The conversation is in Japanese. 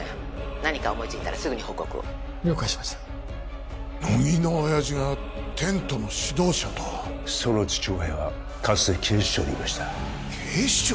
何か思いついたらすぐに報告を了解しました乃木の親父がテントの指導者とはその父親はかつて警視庁にいました警視庁？